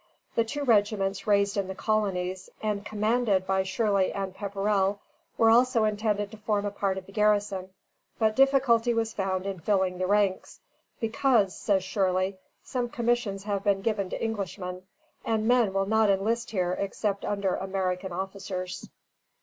The two regiments raised in the colonies, and commanded by Shirley and Pepperrell, were also intended to form a part of the garrison; but difficulty was found in filling the ranks, because, says Shirley, some commissions have been given to Englishmen, and men will not enlist here except under American officers.